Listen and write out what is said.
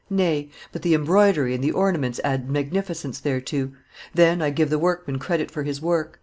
Nay; but the embroidery and the ornaments add magnificence thereto; then I give the workman credit for his work.